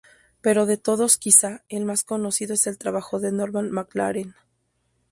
Pero de todos quizás el más conocido es el trabajo de Norman McLaren.